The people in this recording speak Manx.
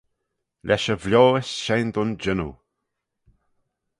Lesh y vioys shegin dooin jannoo